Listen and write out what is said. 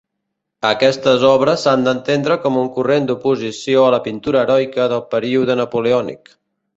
Aquestes obres s'han d'entendre com un corrent d'oposició a la pintura heroica del període napoleònic.